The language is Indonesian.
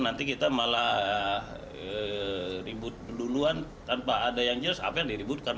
nanti kita malah ribut duluan tanpa ada yang jelas apa yang diributkan